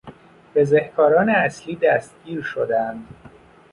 بزهکاران اصلی دستگیر شدند.